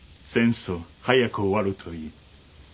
戦争早く終わるといい。